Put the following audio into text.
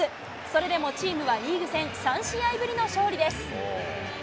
それでもチームはリーグ戦、３試合ぶりの勝利です。